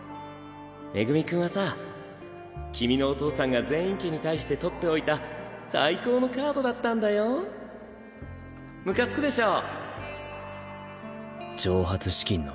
恵君はさ君のお父さんが禪院家に対して取っておいた最高のカードだったんだよ。ムカつくでしょ？